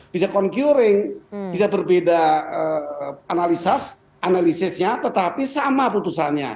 bisa concurring bisa berbeda analisis analisisnya tetapi sama putusannya